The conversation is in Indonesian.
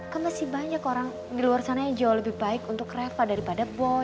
kan masih banyak orang di luar sana yang jauh lebih baik untuk reva daripada boy